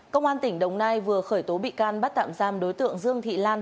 công an tỉnh đồng nai vừa khởi tố bị can bắt tạm giam đối tượng dương thị lan